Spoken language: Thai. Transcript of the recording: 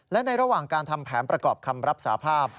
และในระหว่างการทำแผนประกอบคำรับสาภาพ